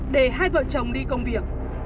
để hai vợ chồng đi công việc